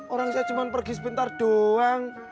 orang saya cuma pergi sebentar doang